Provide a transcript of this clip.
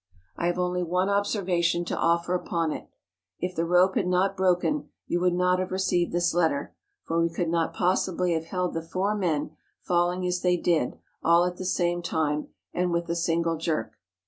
I have only one observation to offer upon it. If the rope had not broken you would not have received this letter, for we could not possibly have held the four men, falling as they did, all at the same time, and with a single jerk.